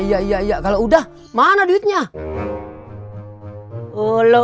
masaknya lucu yang gue tau itu